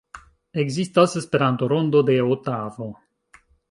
Ekzistas Esperanto-Rondo de Otavo.